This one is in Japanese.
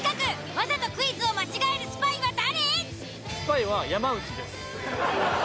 わざとクイズを間違えるスパイは誰？